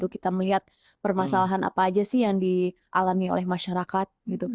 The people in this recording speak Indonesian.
kita melihat permasalahan apa aja sih yang dialami oleh masyarakat